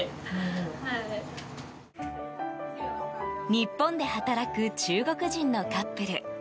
日本で働く中国人のカップル。